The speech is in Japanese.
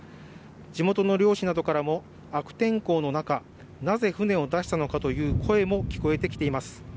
地元の漁師などからも悪天候の中、なぜ船を出したのかという声も聞こえてきています。